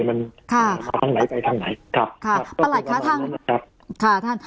มันทางไหนไปทางไหนครับ